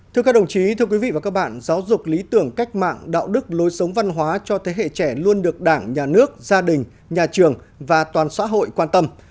thưa các đồng chí thưa quý vị và các bạn giáo dục lý tưởng cách mạng đạo đức lối sống văn hóa cho thế hệ trẻ luôn được đảng nhà nước gia đình nhà trường và toàn xã hội quan tâm